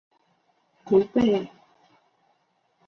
卢贝贝尔纳克。